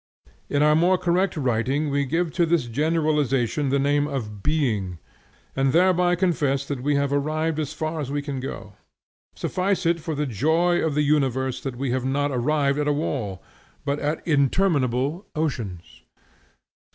In our more correct writing we give to this generalization the name of Being, and thereby confess that we have arrived as far as we can go. Suffice it for the joy of the universe that we have not arrived at a wall, but at interminable oceans.